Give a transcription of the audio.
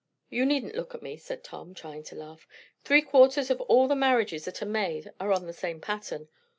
You needn't look at me," said Tom, trying to laugh. "Three quarters of all the marriages that are made are on the same pattern.